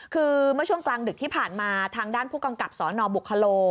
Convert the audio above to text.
คือเมื่อช่วงกลางดึกที่ผ่านมาทางด้านผู้กำกับสนบุคโล